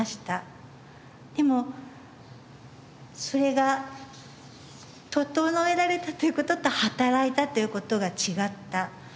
でもそれが整えられたという事と働いたという事が違った。